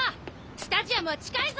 スタジアムは近いぞ！